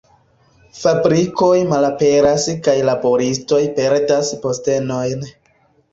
Fabrikoj malaperas kaj laboristoj perdas postenojn.